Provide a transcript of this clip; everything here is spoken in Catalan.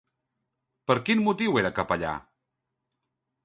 Per quin motiu era capellà?